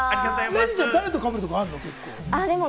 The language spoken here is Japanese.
れにちゃん、誰とかぶるとかあるの？